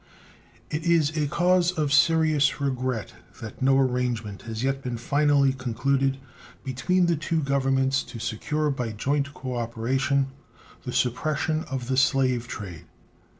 It is a cause of serious regret that no arrangement has yet been finally concluded between the two Governments to secure by joint cooperation the suppression of the slave trade.